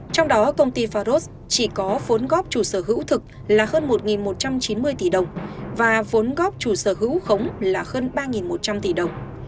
trong đó công ty faros chỉ có vốn góp chủ sở hữu thực là hơn một một trăm chín mươi tỷ đồng và vốn góp chủ sở hữu khống là hơn ba một trăm linh tỷ đồng